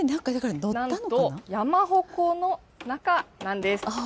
なんと、山鉾の中なんです。